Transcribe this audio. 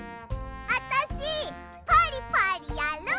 あたしパリパリやる！